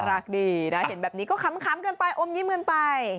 รักดีนะเห็นแบบนี้ก็ขำกันไปอมยิ้มกันไป